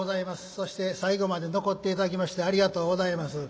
そして最後まで残って頂きましてありがとうございます。